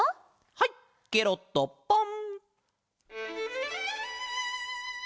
はいケロッとポン！